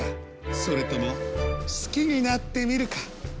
それとも好きになってみるか？